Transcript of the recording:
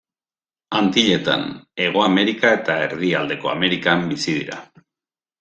Antilletan, Hego Amerika eta Erdialdeko Amerikan bizi dira.